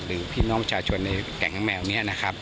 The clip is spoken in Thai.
หรือพี่น้องชาชนในแก่งแมวนี้นะครับ